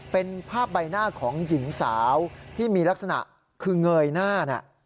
เป็นภาพใบหน้าของหญิงสาวที่มีลักษณะคือเงยหน้า